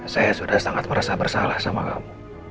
saya sudah sangat merasa bersalah sama kamu